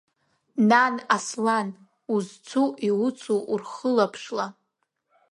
Нан Аслан, узцу, иуцу урхылаԥшла.